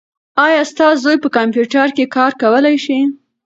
ایا ستا زوی په کمپیوټر کې کار کولای شي؟